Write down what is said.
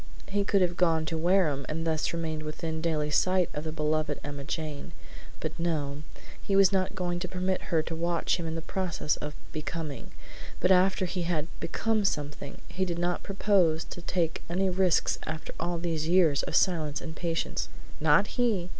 He could have gone to Wareham and thus remained within daily sight of the beloved Emma Jane; but no, he was not going to permit her to watch him in the process of "becoming," but after he had "become" something. He did not propose to take any risks after all these years of silence and patience. Not he!